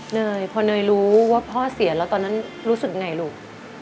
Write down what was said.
เนยพอเนยรู้ว่าพ่อเสียแล้วตอนนั้นรู้สึกไงลูก